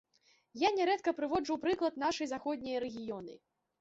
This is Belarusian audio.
Я нярэдка прыводжу ў прыклад нашы заходнія рэгіёны.